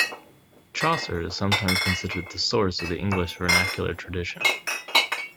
Chaucer is sometimes considered the source of the English vernacular tradition.